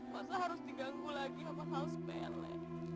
masa harus diganggu lagi sama hal sepele